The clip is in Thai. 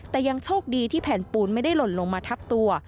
แต่ยังโชคดีที่แผ่นปูนไม่ได้หล่นลงมาทับตัว